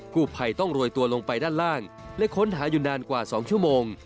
ผู้ภัยต้องโรยตัวลงไปด้านล่างและค้นหาอยู่นานกว่า๒ชั่วโมง